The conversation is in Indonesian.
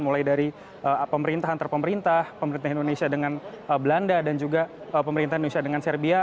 mulai dari pemerintahan terpemerintah pemerintahan indonesia dengan belanda dan juga pemerintahan indonesia dengan serbia